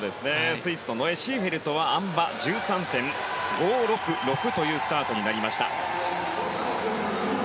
スイスのノエ・シーフェルトはあん馬、１３．５６６というスタートになりました。